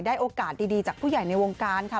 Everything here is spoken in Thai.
โอกาสดีจากผู้ใหญ่ในวงการค่ะ